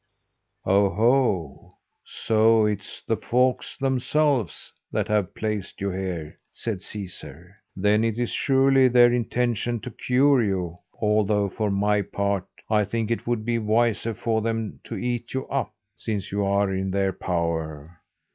"Oho! so it's the folks themselves that have placed you here," said Caesar. "Then it is surely their intention to cure you; although, for my part, I think it would be wiser for them to eat you up, since you are in their power.